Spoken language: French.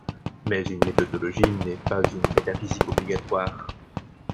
Mais une méthodologie n’est pas une métaphysique obligatoire.